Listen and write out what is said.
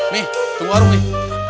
nih tunggu warung nih